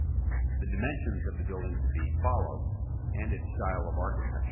The dimensions of the building to be, follow, and ita style of architecture.